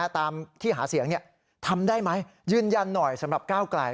ตามที่หาเสียงทำได้ไหมยืนยันหน่อยสำหรับก้าวไกล